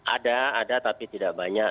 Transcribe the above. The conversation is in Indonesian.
ada ada tapi tidak banyak